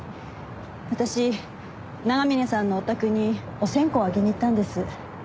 私長峰さんのお宅にお線香あげに行ったんです。